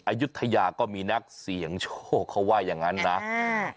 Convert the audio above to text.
อายุทยาก็มีนักเสี่ยงโชคเขาว่าอย่างงั้นนะอ่า